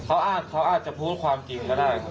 เขาอาจจะพูดความจริงก็ได้